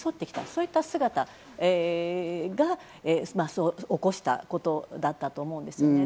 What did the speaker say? そういった姿が起こしたことだったと思うんですね。